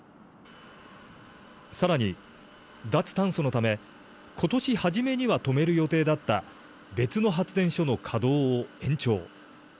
さらに脱炭素のため今年初めには止める予定だった別の発電所の稼働を延長。